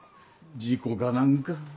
事故かなんか。